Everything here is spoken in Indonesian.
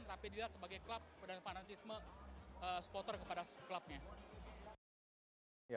tapi dilihat sebagai klub dan fanatisme supporter kepada klubnya